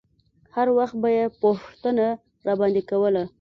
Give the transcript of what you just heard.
هر وخت به يې پوښتنه راباندې کوله.